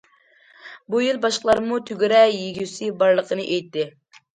بۇ يىل باشقىلارمۇ تۈگرە يېگۈسى بارلىقىنى ئېيتتى.